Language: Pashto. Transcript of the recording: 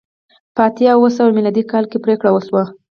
په اتیا اوه سوه میلادي کال کې پرېکړه وشوه